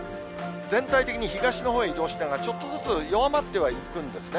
全体的に東のほうへ移動しながら、ちょっとずつ弱まってはいくんですね。